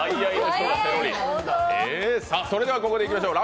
それではここでいきましょう。